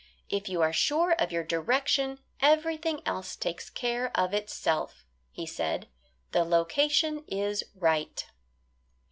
"If you are sure of your direction everything else takes care of itself," he said. "The location is right."